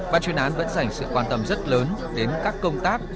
ban chuyên án vẫn dành sự quan tâm rất lớn đến các công tác